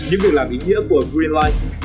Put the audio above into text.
những việc làm ý nghĩa của green life